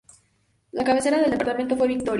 La cabecera del departamento fue Victoria.